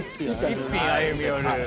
１品歩み寄る。